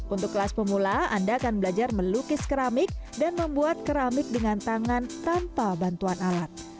untuk kelas pemula anda akan belajar melukis keramik dan membuat keramik dengan tangan tanpa bantuan alat